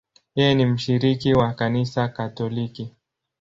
Yeye ni mshiriki wa Kanisa Katoliki.